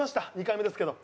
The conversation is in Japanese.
２回目ですけど。